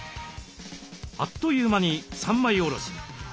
あっという間に三枚おろしに。